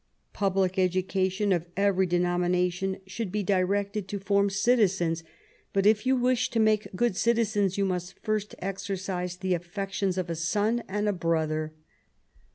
" Public education of every denomina tion should be directed to form citizens^ but if you wish to make good citizens, you must Erst exercise the affections of a son and a brother."